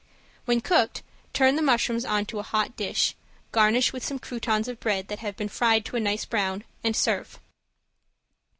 When cooked turn the mushrooms on to a hot dish, garnish with some croutons of bread that have been fried to a nice brown, and serve.